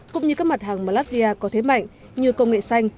cũng như các mặt hàng mà latvia có thế mạnh như công nghệ xanh